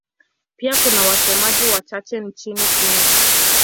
Pia kuna wasemaji wachache nchini Guinea.